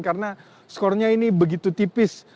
karena skornya ini begitu tipis